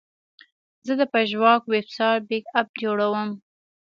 زه د پژواک ویب سایټ بیک اپ جوړوم.